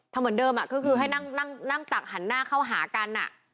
เหมือนเดิมก็คือให้นั่งตักหันหน้าเข้าหากัน